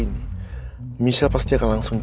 ini typicalnya usus hanusan leukem